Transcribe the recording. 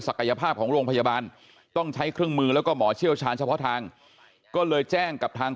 กายภาพของโรงพยาบาลต้องใช้เครื่องมือแล้วก็หมอเชี่ยวชาญเฉพาะทางก็เลยแจ้งกับทาง